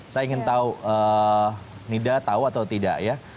saya ingin tahu nida tahu atau tidak ya